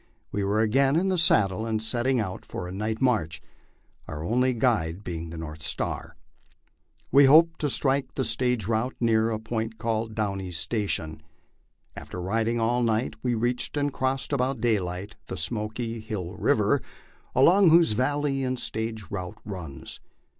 we were again in the saddle and setting out for a night march, our only guide being the north star. We hoped to strike the stage route near a point called Downie's Station. After riding all night we reached and crossed about daylight the Smoky Hill river, along whose valley the stage route runs.